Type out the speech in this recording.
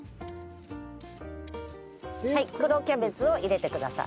黒キャベツを入れてください。